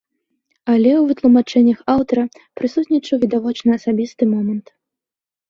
Але ў вытлумачэннях аўтара прысутнічаў відавочна асабісты момант.